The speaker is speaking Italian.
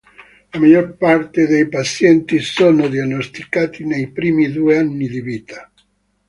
La maggior parte dei pazienti sono diagnosticati nei primi due anni di vita.